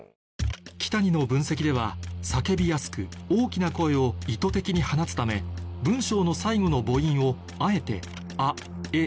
キタニの分析では叫びやすく大きな声を意図的に放つため文章の最後の母音をあえて「あ」「え」